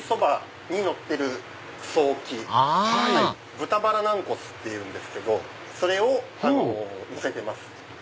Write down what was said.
豚バラ軟骨っていうんですけどそれをのせてます。